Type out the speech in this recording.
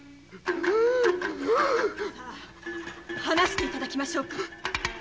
話して頂きましょうか。